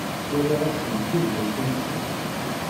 Sswayeɣ-asent tibḥirt-nsent.